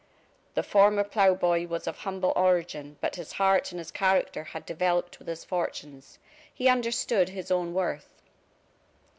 The former ploughboy was of humble origin, but his heart and his character had developed with his fortunes; he understood his own worth.